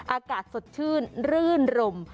อากาศสดชื่นรื่นรม